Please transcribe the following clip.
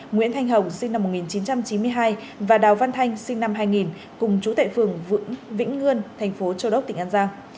nguyễn thanh hồng sinh năm một nghìn chín trăm chín mươi hai và đào văn thanh sinh năm hai nghìn cùng chú tệ phường vĩnh ngươn thành phố châu đốc tỉnh an giang